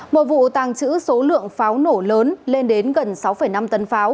một vụ tàng trữ số lượng pháo nổ lớn lên đến gần sáu năm tấn pháo